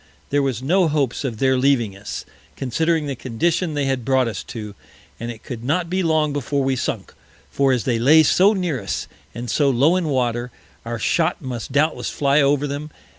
There was no Hopes of their leaving us, considering the condition they had brought us to, and it could not be long before we sunk: for as they lay so near us, and so low in Water, our Shot must doubtless fly over them.